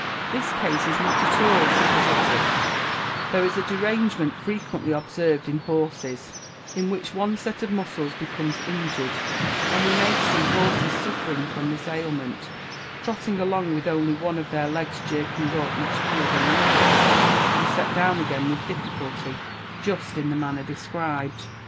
This case is not at all suppositious: there is a derangement frequently observed in horses, in which one set of muscles becomes injured, and we may see horses suffering from this ailment, trotting along with one of their legs jerking up much higher than the others, and set down again with difficulty, just in the manner described.